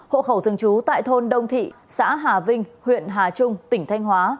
hộ khẩu thường trú tại thôn đông thị xã hà vinh huyện hà trung tỉnh thanh hóa